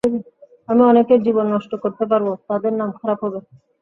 আমি অনেকের জীবন নষ্ট করতে পারব, তাদের নাম খারাপ হবে।